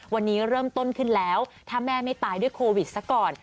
วันนี้เริ่มต้นขึ้นแล้วถ้าแม่ไม่ตายด้วยโควิดซะก่อน